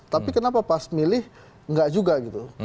tapi kenapa pas milih enggak juga gitu